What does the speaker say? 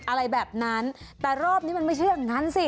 อะไรแบบนั้นแต่รอบนี้มันไม่ใช่อย่างนั้นสิ